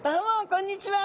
こんにちは！